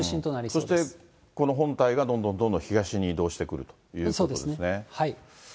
そしてこの本体がどんどんどんどん東に移動してくるというこそうですね。